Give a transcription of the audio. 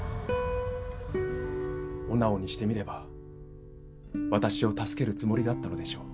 お直にしてみれば私を助けるつもりだったのでしょう。